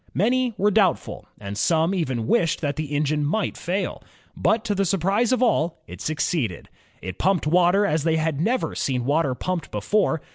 Many were doubtful, and some even wished that the engine might faiL But to the surprise of all it suc ceeded. It pumped water as they had never seen water pumped before.